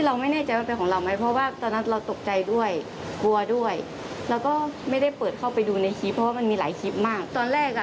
เริ่มรับงานเริ่มจังนางแบบเริ่มถ่ายแบบแล้ว